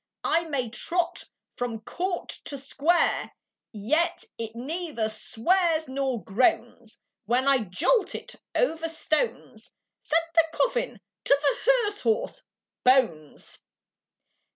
I may trot from court to square, Yet it neither swears nor groans, When I jolt it over stones." Said the coffin to the hearse horse, "Bones!"